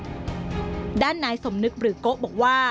ทำไมเราต้องเป็นแบบเสียเงินอะไรขนาดนี้เวรกรรมอะไรนักหนา